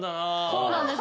そうなんです。